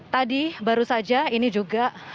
tadi baru saja ini juga